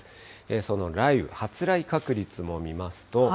その雷雨、発雷確率も見ますと。